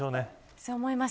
そう思います。